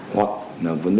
hoặc là vấn đề